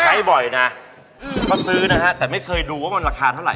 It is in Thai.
บ่อยนะเขาซื้อนะฮะแต่ไม่เคยดูว่ามันราคาเท่าไ